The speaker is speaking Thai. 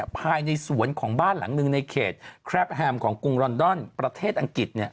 ภายในสวนของบ้านหลังหนึ่งในเขตแครปแฮมของกรุงลอนดอนประเทศอังกฤษ